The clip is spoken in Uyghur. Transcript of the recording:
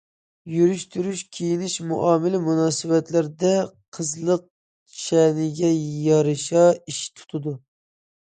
يۈرۈش- تۇرۇش كىيىنىش، مۇئامىلە، مۇناسىۋەتلەردە قىزلىق شەنىگە يارىشا ئىش تۇتىدۇ.